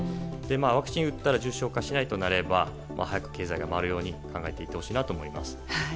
ワクチンを打ったら重症化しないとなれば早く経済が回るように考えてほしいなと思います。